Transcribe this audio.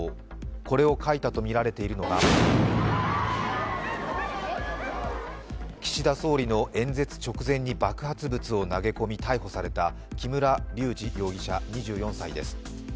これを書いたとみられているのが岸田総理の演説直前に爆発物を投げ込み逮捕された木村隆二容疑者２４歳です。